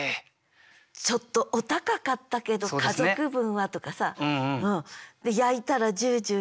「ちょっとお高かったけど家族分は」とかさで焼いたらじゅうじゅう。